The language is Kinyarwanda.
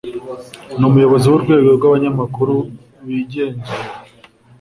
Ni umuyobozi w'Urwego rw'Abanyamakuru bigenzura